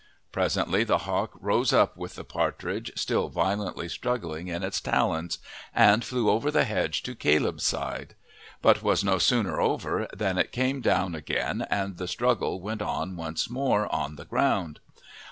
Presently the hawk rose up with the partridge still violently struggling in its talons, and flew over the hedge to Caleb's side, but was no sooner over than it came down again and the struggle went on once more on the ground.